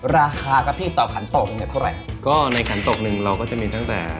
ราคากระพริบต่อขันตกเนี่ยเท่าไหร่ก็ในขันตกหนึ่งเราก็จะมีตั้งแต่